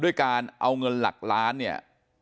ด้วยการเอาเงินหลักล้านเนี่ย